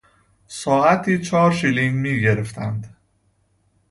ساعتی چهار شیلینگ میگرفتند.